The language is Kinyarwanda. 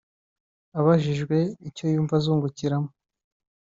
Abajijwe icyo yumva azungukiramo